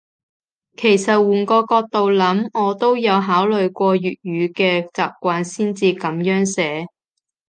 其實換個角度諗，我都有考慮過粵語嘅習慣先至噉樣寫